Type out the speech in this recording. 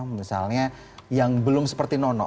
misalnya yang belum seperti nono